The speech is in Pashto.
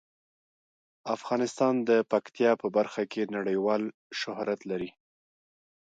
افغانستان د پکتیا په برخه کې نړیوال شهرت لري.